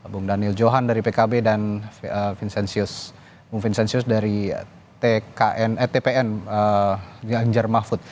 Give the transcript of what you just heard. bung daniel johan dari pkb dan bung vincentius dari tpn jarmah food